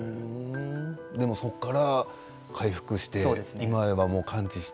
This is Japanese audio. そこから回復して今では完治して。